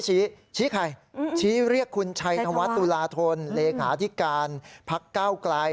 ชี้ชี้ใครชี้เรียกคุณชัยธวัฒน์ตุลาธนเลขาธิการพักก้าวไกล